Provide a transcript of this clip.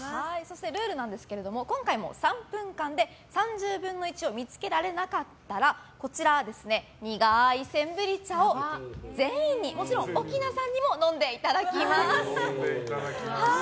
ルールですが、今回も３分間で３０分の１を見つけられなかったらこちら、苦いセンブリ茶を全員にもちろん奥菜さんにも飲んでいただきます。